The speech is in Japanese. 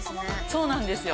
そうなんですよ。